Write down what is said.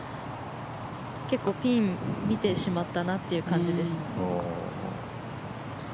結構ピンを見てしまったなという感じでした。